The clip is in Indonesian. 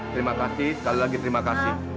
terima kasih sekali lagi terima kasih